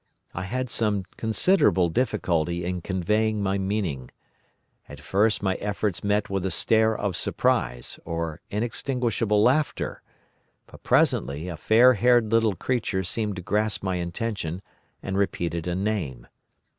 I had some considerable difficulty in conveying my meaning. At first my efforts met with a stare of surprise or inextinguishable laughter, but presently a fair haired little creature seemed to grasp my intention and repeated a name.